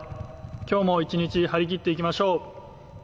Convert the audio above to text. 今日も一日張り切っていきましょう！